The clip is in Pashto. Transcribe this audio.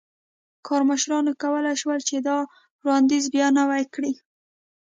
کارمشرانو کولای شول چې دا وړاندیز بیا نوی کړي.